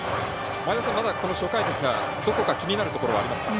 前田さん、まだ初回ですが気になるところありますか。